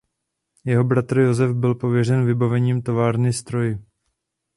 Jeho bratr Josef byl pověřen vybavením továrny stroji.